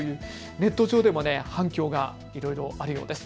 ネット上では反響がいろいろあるようです。